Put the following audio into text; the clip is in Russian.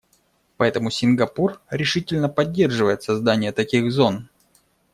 Поэтому Сингапур решительно поддерживает создание таких зон.